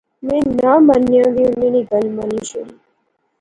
کہ میں ناں منیاں وی انیں نی گل منی شوڑی